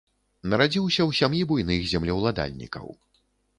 Нарадзіўся ў сям'і буйных землеўладальнікаў.